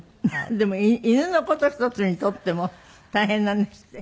でも犬の事一つにとっても大変なんですって？